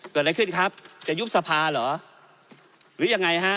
เกิดอะไรขึ้นครับจะยุบสภาเหรอหรือยังไงฮะ